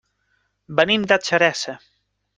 Venim de Xeresa.